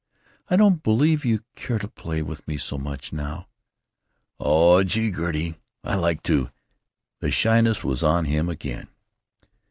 I don't believe you care to play with me so much now." "Oh, gee! Gertie! Like to——!" The shyness was on him again.